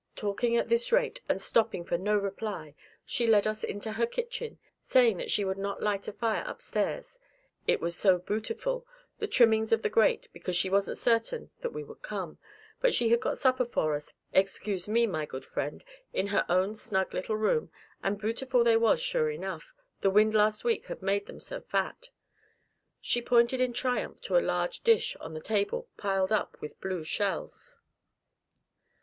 Talking at this rate, and stopping for no reply, she led us into her kitchen, saying that she would not light a fire upstairs, it was so bootiful, the trimmings of the grate, because she wasn't certain that we would come, but she had got supper for us, excuse me, my good friend, in her own snug little room, and bootiful they was sure enough, the wind last week had made them so fat. She pointed in triumph to a large dish on the table piled up with blue shells.